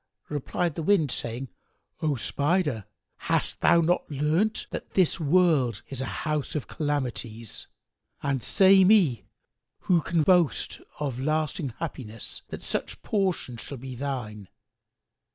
Replied the Wind, saying, "O Spider, hast thou not learnt that this world is a house of calamities; and, say me, who can boast of lasting happiness that such portion shall be thine?